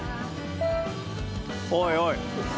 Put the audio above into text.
おいおい。